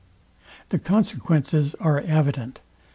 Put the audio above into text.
The consequences are evident.